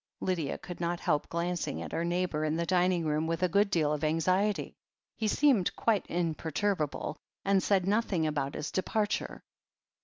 Lydia could not help glancing at her neighbour in the dining room with a good deal of anxiety. He seemed quite imperturbable, and said nothing about his departure.